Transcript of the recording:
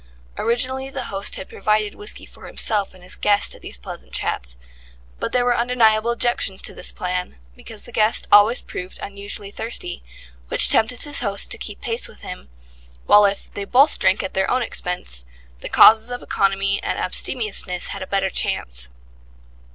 Originally the host had provided whisky for himself and his guest at these pleasant chats, but there were undeniable objections to this plan, because the guest always proved unusually thirsty, which tempted his host to keep pace with him, while if they both drank at their own expense, the causes of economy and abstemiousness had a better chance.